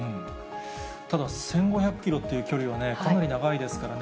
ただ、１５００キロという距離はかなり長いですからね。